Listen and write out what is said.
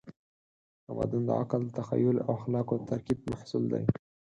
تمدن د عقل، تخیل او اخلاقو د ترکیب محصول دی.